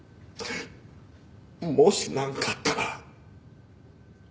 もし何かあったら。